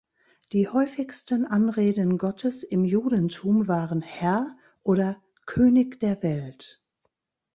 Die häufigsten Anreden Gottes im Judentum waren „Herr“ oder „König der Welt“.